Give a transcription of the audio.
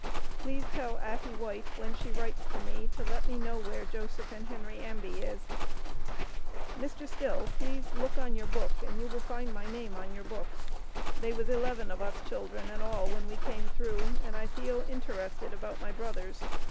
Please tell affey White when she writes to me to Let me know where Joseph and Henry Ambie is. Mr. Still Please Look on your Book and you will find my name on your Book. They was eleven of us children and all when we came through and I feal interrested about my Brothers.